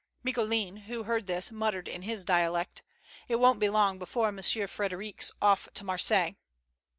Micoulin, who heard this, muttered in his dialect: " It won't be long before Monsieur Frederic's off to Marseilles."